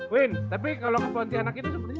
win tapi kalau kebonti anak itu